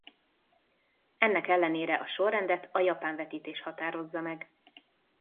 Ennek ellenére a sorrendet a japán vetítés határozza meg.